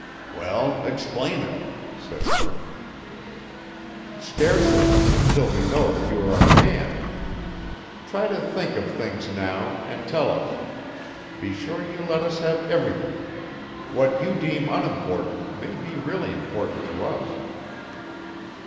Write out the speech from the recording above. "Well, explain it!" said Murk. "Scarcely, until we know that you are our man. Try to think of things now, and tell us. Be sure you let us have everything. What you deem unimportant may be really important to us."